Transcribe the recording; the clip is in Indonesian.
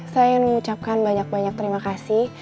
saya ingin mengucapkan banyak banyak terima kasih